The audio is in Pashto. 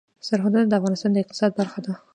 سرحدونه د افغانستان د اقتصاد برخه ده.